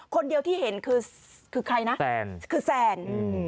คนเดียวที่เห็นคือใครนะแซนคือแซน